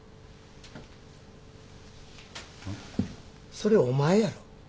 それお前やろ？